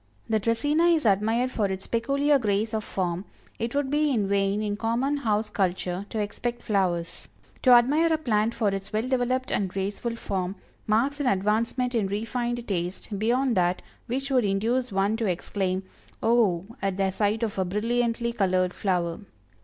The Dracæna is admired for its peculiar grace of form it would be in vain in common house culture to expect flowers. To admire a plant for its well developed and graceful form, marks an advancement in refined taste beyond that which would induce one to exclaim, "Oh!" at the sight of a brilliantly colored flower.